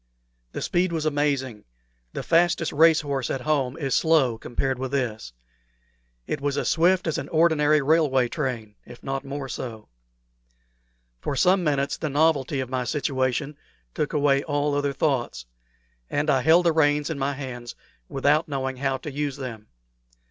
The speed was amazing; the fastest race horse at home is slow compared with this. It was as swift as an ordinary railway train, if not more so. For some minutes the novelty of my situation took away all other thoughts, and I held the reins in my hands without knowing how to use them.